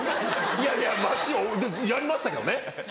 いやいや街をでやりましたけどね。